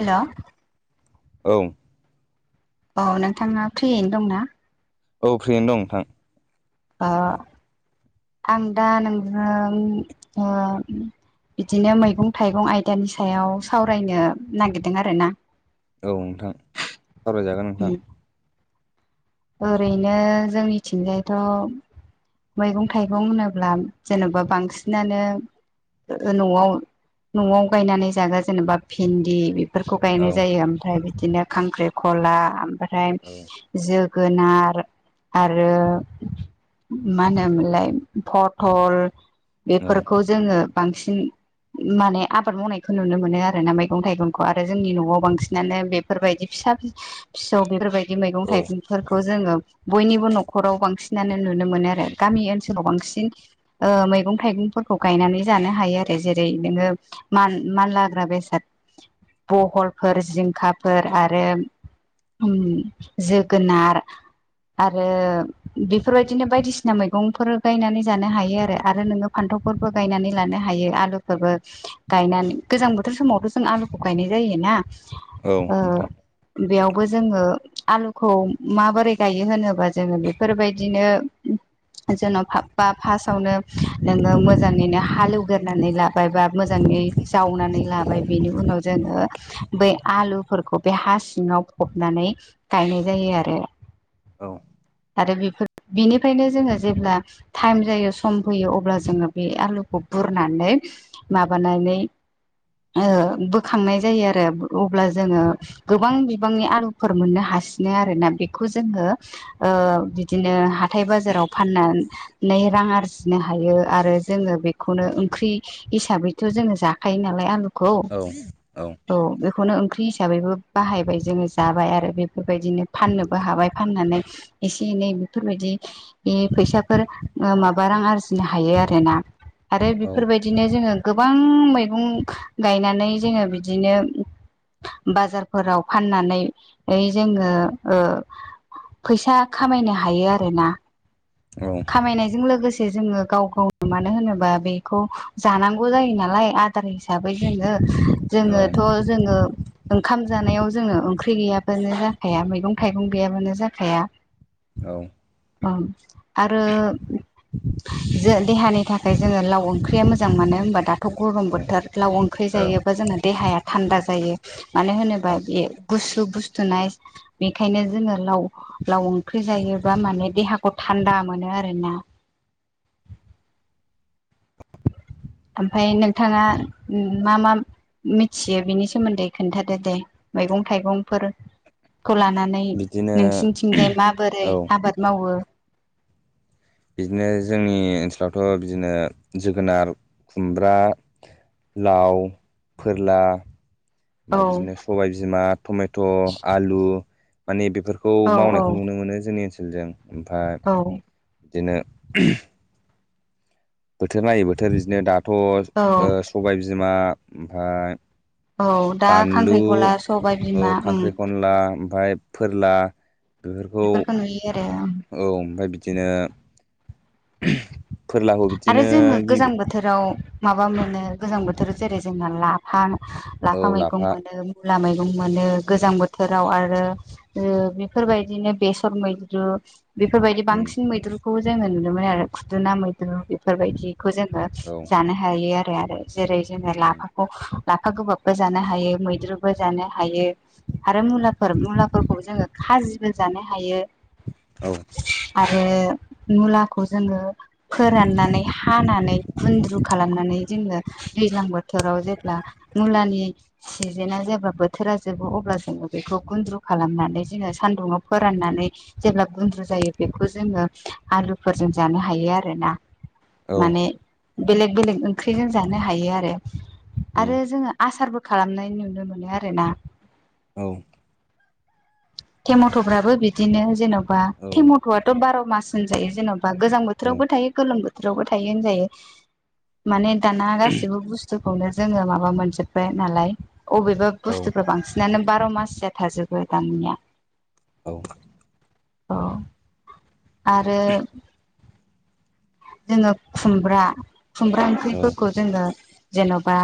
हेल' औ औ नोंथाङा फ्रियैनो दंना औ फ्रियैनो दं नोंथां आं दा नोंजों ओ बिदिनो मैगं थाइगं आयदानि सायाव सावरायनो नागिरदों आरो ना औ नोंथां सावरायजागोन नोंथां ओरैनो जोंनिथिंजायथ' मैगं थाइगं होनोब्ला जेन'बा बांसिनानो न'आव न'आव गायनानै जाग्रा जेनेबा भिन्दि बेफोरखौ गायनाय औ जायो ओमफ्राय बिदिनो खांख्रिखला ओमफ्राय औ जोगोनार गोनार आरो मा होनोमोनलाय फटल औ बेफोरखौ जोङो बांसिन माने आबाद मावनायखौ नुनो मोनो आरोना मैगं थाइगंखौ आरो जोंनि न'आव बांसिनानो बेफोरबायदि फि फिसा फिसौ बेफोरबायदि मैगं औ थाइगं जोङो बयनिबो न'खराव बांसिन नुनो मोनो आरो गामि ओनसोलाव बांसिन मैगं थाइगंफोरखौ गायनानै जानो हायो आरो जेरै नोङो मान मानलाग्रा बेसाद बहलफोर जिंखाफोर आरो उम जो- गोनार आरो बेफोरबायदिनो बायदिसिना मैगंफोर गायनानै जानो हायो आरो आरो नोङो फान्थाव फोरबो गायनानै लानो हायो आलुफोरबो गायनानै गोजां बोथोर समावथ' जों आलुखौ गायनाय जायोना औ ओ नोंथां बेयावबो जोङो आलु खौ माबोरै गायो होनोबा जोङो बेफोरबायदिनो जेन' फाबबा फार्स्टावनो नोङो मोजाङैनो हालेवग्रनानै लाबाय बा मोजाङै जावनानै लाबाय बेनि उनाव जोङो बै आलुफोरखौ बे हा सिङाव फबनानै गायनाय जायो आरो औ आरो बेफोर बेनिफ्रायनो जोङो जेब्ला टाइम जायो सम फैयो अब्ला जोङो बे आलुखौ बुरनानै माबानानै ओ बोखांनाय जायो आरो अब्ला जोङो गोबां बिबांनि आलुफोर मोननो हा सिनो आरोना बेखौ जोङो ओ बिदिनो हाथाय बाजाराव फानना नै रां आरजिनो हायो आरो जोङो बेखौनो ओंख्रि हिसाबैथ' जोङो जाखायो नालाय आलु खौ औ औ बेखौनो ओंख्रि हिसाबैबो बाहायबाय जोङो जाबाय आरो बे फोरबायदिनो फाननोबो हाबाय फाननानै एसे एनै बेफोरबायदि फैसाफोर माबा रां आरजिनो हायो आरोना। आरो औ बेफोरबायदिनो जोङो गोबां मैगं गायनानै जोङो बिदिनो बाजारफोराव फाननानै ओइ जोङो ओ फैसा खामायनो हायो आरोना खामायनायजों लोगोसे जोङो गाव गावनो मानो होनोबा बेखौ जानांगौ जायो नालाय आदार हिसाबै जोङो। जोङोथ' जोङो ओंखाम जानायाव जोङो ओंख्रि गैया बानो जाखाया मैगं थाइगं गैयाबानो जाखाया औ औ आरो जो देहानि थाखाय जोङो लाव ओंख्रिया मोजां मानो होनबा दाथ' गरम औ बोथोर लाव ओंख्रि औ जायोबा जोंना देहाया थान्दा जायो मानो होनोबा औ बे गुसु गुु - नाय बेखायनो जोङो लाव लाव ओंख्रि जायोबा माने देहाखौ थान्दा मोनो। आरोना ओमफ्राय नोंथाङा मा मा मिथियो बिनि सोमोन्दै खोन्थादो दे मैगं थाइगंफोर खौ लानानै बिदिनो नोंसिनिथिंजाय माबोरै औ आबाद मावो बिदिनो जोंनि ओनसोलावथ' बिदिनो जोगोनार खुमब्रा लाव फोरला औ ओमफाय बिदिनो सबाय बिमा टमेट' आलु माने बे फोरखौ औ औ मावनायखौ नुनो मोनो जोंनि ओनसोलजों ओमफाय औ बिदिनो बोथोर नायै बोथोर बिदिनो दाथ' औ ओ सबाय बिमा ओमफाय औ दा बानलु खांख्रिखला सबाय औ बिमा उम खांख्रि खनला ओमफाय फोरला बेफोरखौ नुयो आरो औ ओमफ्राय बिदिनो फोरलाखौ आरो बिदिनो जोङो गोजां गिबि बोथोराव माबा मोनो गोजां बोथोराव जेरै जोंना लाफा लाफा मैगं मोनो मला मैगं मोनो गोजां बोथोराव आरो बेफोरबायदिनो बेसर मैद्रु बेफोरबायदि उम बांसिन मैद्रुखौबो जोङो नुनो मोनो आरो खुदुना मैद्रु फोरबायदिखौ जोङो औ जानो हायो आरो आरो जेरै जोङो उम लाफाखौ लाफा गोबाबबो जानो हायो मैद्रुबो जानो हायो। आरो मुलाफोर मुलाफोरखौ जोङो खाजिबो जानो हायो। औ बे मुलाखौ जोङो फोराननानै हानानै गुन्द्रु खालामनानै जोङो दैज्लां बोथोराव जेब्ला मुलानि सिजोनाव जेब्ला बोथोरा जोबो अब्ला जों बेखौ गुन्द्रु खालामनानै जोङो सानदुङाव फोराननानै जेब्ला गुन्द्रु जायो बेखौ जोङो आलुफोरजों जानो हायो आरो आरोना औ माने बेलेग बेलेग ओंख्रिजों जानो हायो आरो उम आरो जोङो आसारबो खालामनाय नुनो मोनो आरोना औ टेमट'फ्राबो बिदिनो जेन'बा औ टेमट'आथ' बार' मास होनजायो जेन'बा गोजां उम बोथोरावबो थायो गोलोम बोथोरावबो थायो होनजायो माने दाना गाैबो बुस्थुखौनो जोङो माबा मोनजोब्बाय नालाय अबेबा औ बुस्थुफ्रा बांसिनानो बार' मास ज थाजोबो दामनिया औ औ आरो जोङो खुमब्रा खुमब्रा ओंख्रिफोरखौ जोङो जेन'बा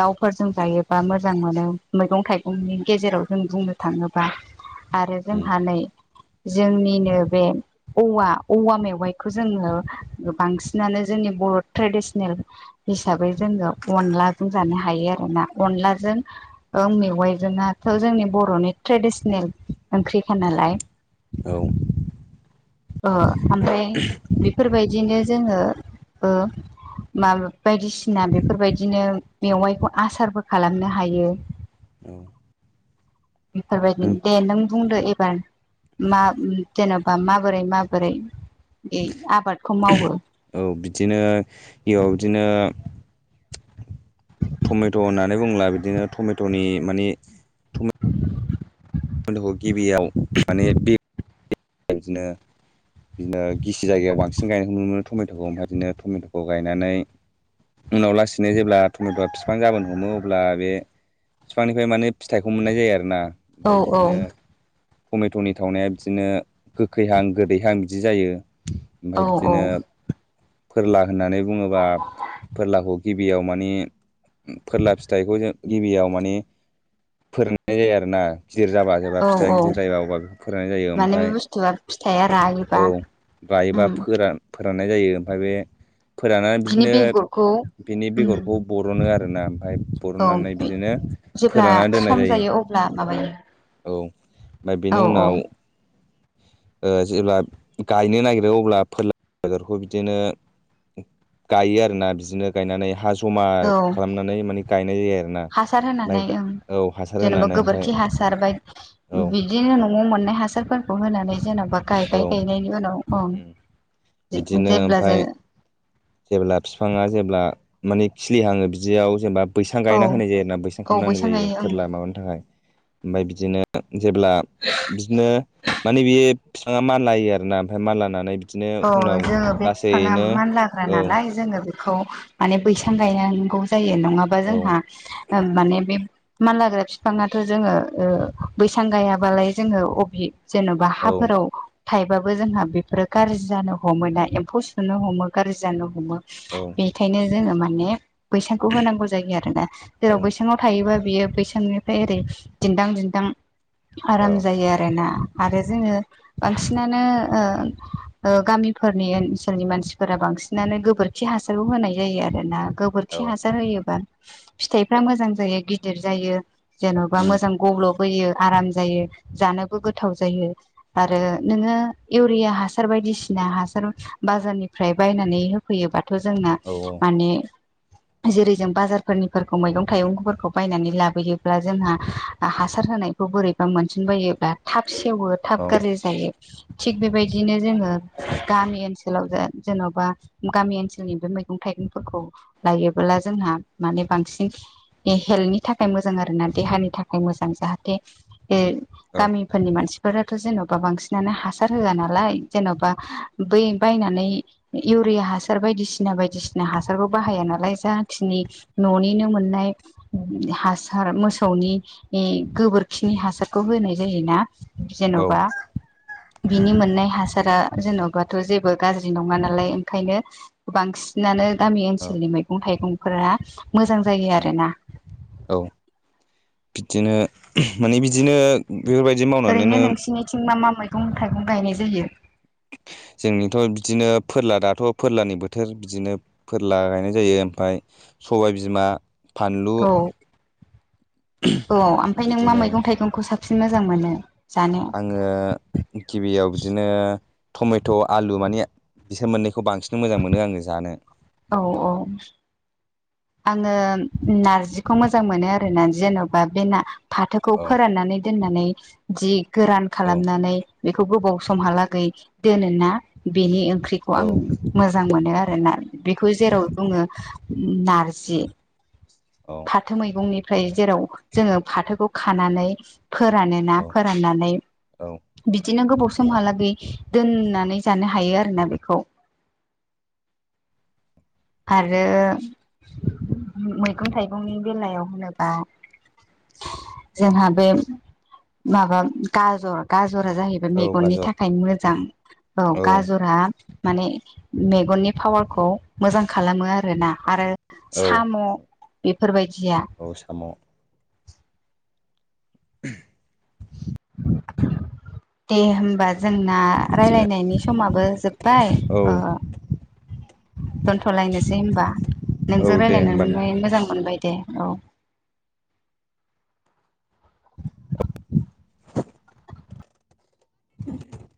दाउफोरजों जायोबा मोजां मोनो मैगं थाइगंनि गेजेराव जों बुंनो थाङो ङोबा आरो जोंहा नै जोंनिनो बे औवा औवा मेवाइखौ जोङो बांसिनानो जोंनि बर' ट्रेडिसनेल हिसाबै जोङो अनलाजों जानो हायो आ आरोना अनलाजों मेवाइजोंनाथ' जोंनि बर'नि ट्रेडिसनेल ओंख्रिखा नालाय औ उम ओ ओमफ्राय बेफोरबाय बिदिनो जोङो ओ मा बायदिसिना बेफोरबायदिनो मेवाइखौ आसारबो खालामनो हायो औ बिफोरबायदि दे नों बुंदो एबार मा जेन'बा माबोरै माबोरै बे आबादखौ मावो औ बिदिनो इयाव बिदिनो टमेट' होननानै बुङोब्ला बिदिनो टमेट'नि माने [inaudible] टमेटखौ गिबियाव माने बे बिदिनो बिदिनो गिसि जायगायाव बांसिन गायनायखौ नुनो मोनो टमेट'खौ ओमफ्राय बिदिनो टमेट'खौ गायनानै उनाव लासैनो जेब्ला टमेट'आ बिफां जाबोन हमो अब्ला बे बिफांनिफ्राय माने फिथाइखौ मोननाय जायो आरो ना औ औ टमेट'नि थावनाया बिदिनो गोखैहां गोदैहां बिदि जायो औ ओमफ्राय बिदिनो फोरला होननानै बुङोबा फोरलाखौ गिबियाव माने फोरला फिथाइखौ जों गिबियाव माने फोराननाय जायो आरोना गिदिर जाबा जेबा औ फिथाइ औ गिदिरायो अबा बेखौ फोरोंनाय जायो माने बे ओमफ्राय बुस्थुआ फिथाइया औ रायोबा गायोबा उम फोरान फोराननाय जायो ओमफफ्राय बे फोराननानै बिनि बिदिनो बेगरखौ बेनि उम बेगरखौ बर'नो आ रोना ओमफ्राय औ बरननानै बिदिनो जेब्ला फोराननानै दोननाय सम जायो अब्ला माबायो औ ओमफ्राय औ बेनि औ उनाव ओ जेब्ला गायनो नागिरो अब्ला फोरला बेदरखौ बिदिनो गायो आरोना बिदिनो गायनानै हा जमा औ खालामनानै माने गायनाय जायो आरोना हासार होनानै ओमफ्राय ओं औ हासार जेनेबा होनानै ओमफ्राय गोबोरखि हासार औ बायदि बिदिनो नवाव मोननाय हासारफोरखौ होनानै जेनब बा औ गायबाय गायनायनि उनाव उम बिदिनो जेब्ला ओमफ्राय जोंङो जेब्ला बिफाङा जेब्ला माने खिलिहाङो बिदियाव जेनेबा बैसां औ गायना होनाय जायोना बैसां औ खालामना होनाय जायो गायो ओं फोरला माबानि थाखाय ओमफ्राय बिदिनो जेब्ला बिदिनो माने बे बिफाङा मानलायो आरोना ओमफ्राय मानलाानानै अ जोङो बे बिफाआ मानला औ ग्रानालाय जोङो बेखौ माने बैसां गायनांगौ जायो नङाबा औ जोंहा ओम माने बे माललाग्रा बिफाङाथ' जोङो ओ बैसां गायाबालाय जोङो अबि जेन'बा औ हाफोराव थायबाबो जोंहा बेफोरो गाज्रि जानो हमो ना एम्फौ सुनो हमो गाज्रि जानो हमो औ बेखायनो जोंङो माने बैसांखौ होनांगौ जायो आरोना जेराव बैसांङाव थायोबा बियो बैसांनिफ्राय ओरै दिन्दां दिन्दां औ आराम जायो आरोना आरो जोङो बांसिनानो ओ ओ गामिफोरनि ओनसोलनि मानसिफोरा बांसिनानो गोबोरखि हासारबो होनाय जायो आरो ना गोबोरखि औ हासार होयोबा फिथाइफ्रा मोजां जायो गिदिर जायो जेन'बा उम मोजां गब्ल' बोयो आराम जायो जानोबो गोथाव जायो आरो नोंङो इवरिया हा सार बायदिसिना हासार बाजारनिफ्राय बायनानै होफैयोबा थ' जोंना औ माने जेरै जों बाजारफोरनिफोरखौ मैगं थाइगंफोरखौ बायनानै लाबोयोब्ला जोंहा हासार होनायखौ बोरैबा मोनसिनबायोब्ला थाब सेवो थाब औ गाज्रि जायो थिग बेबायदिनो जोङो गामि ओनसो लाव जेन'बा गामि ओनसोलनि बे मैगं थाइगंफोरखौ लायोबोला जोंहा माने बांसिन हेल्थनि थाखाय मोजां आरो ना देहानि थाखाय मोजां जाहाथे ए औ गामिफोरनि मानसिफोराथ' जेन'बा बांसिनानो हासार होआ ना लाय जेन'बा बै बायनानै इउरिया हासार बायदिसिना बाय बायदिसिना हासारखौ बाहाया ना लाय जाखिनि न'निनो मोननाय हासार मोसौनि ए गोबोरखिनि हासारखौ होनाय जायोना जेन'बा उम बिनि मोन सारा जेन'बाथ' जेबो गाज्रि नङा नालाय ओंखायनो बांसिनानो गामि औ ओनसोलनि मैगं थाइगंफोरा मोजां जायो उम आरोना औ बिदिनो माने बिदिनो बेफोरबायदि ओरैनो मावनानैनो नोंसिनिथिं मा मा मैगं थाइगं गायनाय जायो जोंनिथ' बिदिनो फोरला दाथ' फोरलानि बोथोर बिदिनो फोरला गायनाय जायो ओमफ्राय सबाय बिमा फानलु औ औ ओमफ्राय नों मा बिदिनो मैगं थाइगंखौ साबसिन मोजां मोनो जानो? आङो गिबियाव बिदिनो टमेट' आलु माने बिसोर मोननैखौ बांसिन मोजां मोनो आङो जानो औ औ आङो नारजिखौ मोजां मोनो आरोना जेन'बा बे ना फाथोखौ औ फोराननानै दोननानै जि गोरान औ खालामनानै बेखौ गोबाव समहालागै दोनो ना बेनि ओंख्रिखौ औ आं मोजां मोनो आरोना बेखौ जेराव बुङो नारजि औ फाथो मैगंनिफ्राय जेराव जोङो फाथोखौ खानानै फोरानो ना औ फोराननानै औ बिदिनो गोबाव समहालागै दोननानै जानो हायो आरोना बेखौ आरो मैगं थाइगंनि बेलायाव होनोबा जोंहा बे माबा गाजर गा जरा जाहैबाय औ मेगननि गाजर थाखाय मोजां औ गाजरा माने मेगननि पावारखौ मोजां खालामो आरोना आरो औ साम बेफोरबादिया औ साम' [inaudible] दे होमबा जोंना बिदिनो रायलायनायनि समाबो जोब्बाय औ ओ दोनथलायनोसै होनबा औ नोंजों दे होमबा नों रायलायनानैहाय मोजां मोनबाय दे औ [inaudible] [inaudible]